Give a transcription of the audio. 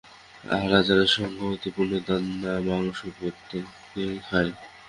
আর যারা সঙ্গতিপন্ন, তারা মাংস প্রত্যহই খায়।